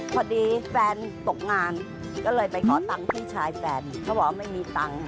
พอดีแฟนตกงานก็เลยไปขอตังค์พี่ชายแฟนเขาบอกว่าไม่มีตังค์